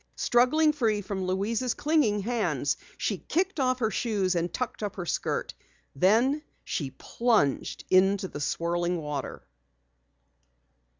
Struggling free from Louise's clinging hands, she kicked off her shoes and tucked up her skirt. Then she plunged into the swirling water.